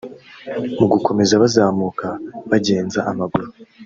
Mu gukomeza bazamuka bagenza amaguru